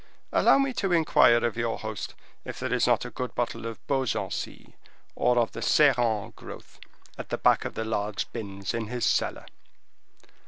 Allow me to inquire of your host if there is not a good bottle of Beaugency, or of the Ceran growth, at the back of the large bins in his cellar."